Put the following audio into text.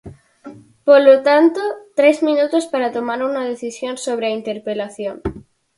Polo tanto, tres minutos para tomar unha decisión sobre a interpelación.